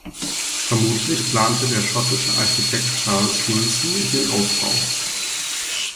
Vermutlich plante der schottische Architekt Charles Wilson den Ausbau.